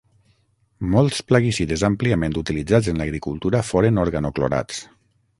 Molts plaguicides àmpliament utilitzats en l'agricultura foren organoclorats.